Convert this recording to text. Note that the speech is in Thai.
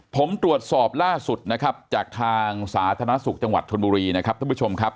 ผมตรวจสอบล่าสุดนะครับจากทางสาธารณสุขจังหวัดชนบุรีนะครับท่านผู้ชมครับ